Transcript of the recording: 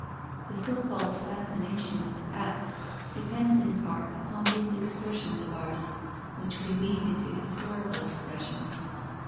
The so called fascination of the past depends in part upon these expressions of ours, which we weave into historical expressions.